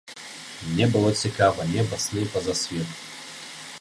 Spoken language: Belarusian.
Мне было цікава неба, сны, пазасвет.